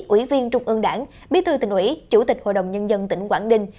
ủy viên trung ương đảng bí thư tỉnh ủy chủ tịch hội đồng nhân dân tỉnh quảng ninh